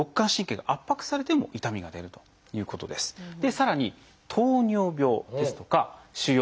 さらに糖尿病ですとか腫瘍。